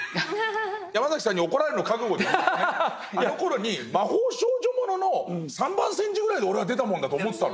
ヤマザキさんに怒られるのを覚悟で言うとねあのころに魔法少女ものの三番煎じぐらいで俺は出たものだと思ってたの。